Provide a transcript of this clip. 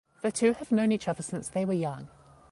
The two have known each other since they were young.